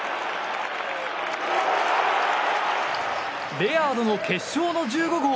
レアードの決勝の１５号！